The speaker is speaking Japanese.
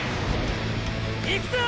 いくぞ！！